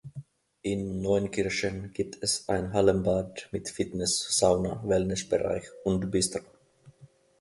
In Neunkirchen gibt es ein Hallenbad mit Fitness-, Sauna-, Wellnessbereich und Bistro.